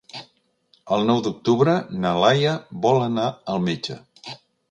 El nou d'octubre na Laia vol anar al metge.